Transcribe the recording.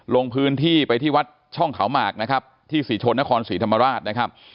ลงพื้นที่ไปที่วัดช่องเขาหมากนะครับที่ศรีชนนครศรีธรรมราชนะครับ